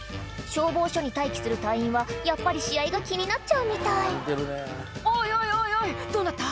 消防署に待機する隊員はやっぱり試合が気になっちゃうみたい「おいおいおいおいどうなった？